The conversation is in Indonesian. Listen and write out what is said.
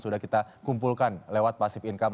sudah kita kumpulkan lewat pasif income